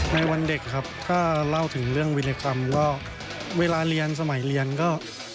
วันเด็กครับถ้าเล่าถึงเรื่องวินัยกรรมก็เวลาเรียนสมัยเรียนก็